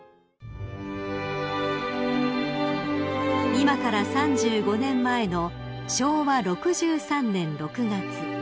［今から３５年前の昭和６３年６月］